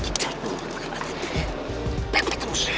bang harus kuatan dekat